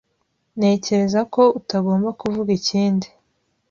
Ntekereza ko utagomba kuvuga ikindi